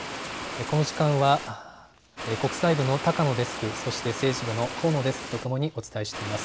この時間は国際部の高野デスク、そして政治部の高野デスクとともにお伝えしています。